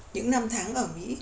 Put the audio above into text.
những năm tháng ở mỹ